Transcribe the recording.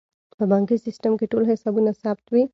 په بانکي سیستم کې ټول حسابونه ثبت وي.